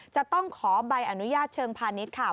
จะต้องขอใบอนุญาตเชิงพาณิชย์ค่ะ